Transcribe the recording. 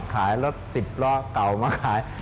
ขายรถสิบล้อเก่ามาขาย